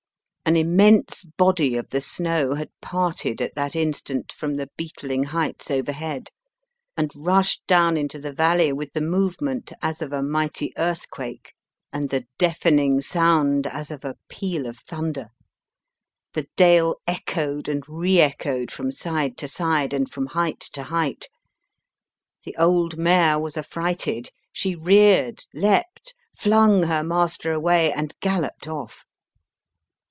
An immense body of the snow had parted at that instant from the beetling heights overhead, and rushed down into the valley with the movement as of a mighty earthquake, and the deafening , SOMETHING STRAPPED ON ITS BACK sound as of a peal of thunder. The dale echoed and re echoed from side to side, and from height to height. The old mare was affrighted ; she reared, leapt, flung her master away, and galloped off.